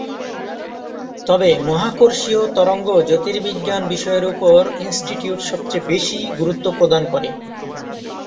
তবে "মহাকর্ষীয় তরঙ্গ জ্যোতির্বিজ্ঞান" বিষয়ের উপর ইনস্টিটিউট সবচেয়ে বেশি গুরুত্ব প্রদান করে।